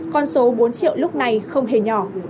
con số bốn triệu lúc này không hề nhỏ